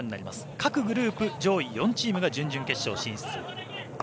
各グループ上位４チームが準々決勝進出。